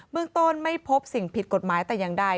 เมืองต้นไม่พบสิ่งผิดกฎหมายแต่อย่างใด